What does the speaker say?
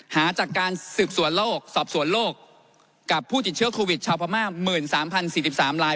หาจากการสืบสวนโลกสอบสวนโลกกับผู้ติดเชื้อโควิดชาวพม่า๑๓๐๔๓ลาย